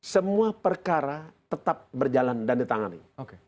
semua perkara tetap berjalan dan ditangani